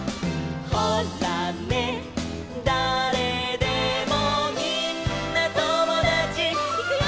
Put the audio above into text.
「ほらね誰でもみんなともだち」いくよ！